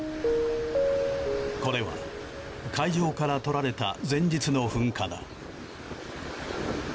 これは、海上から撮られた前日の噴火だ。